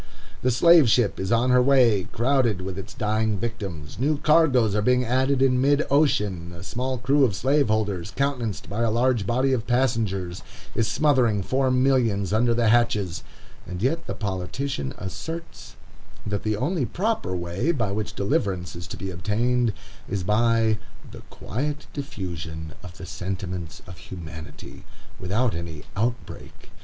The slave ship is on her way, crowded with its dying victims; new cargoes are being added in mid ocean; a small crew of slaveholders, countenanced by a large body of passengers, is smothering four millions under the hatches, and yet the politician asserts that the only proper way by which deliverance is to be obtained, is by "the quiet diffusion of the sentiments of humanity," without any "outbreak."